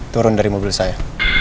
turun dari mobil saya